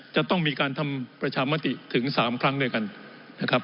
จะต้องมีการทำประชามติถึง๓ครั้งด้วยกันนะครับ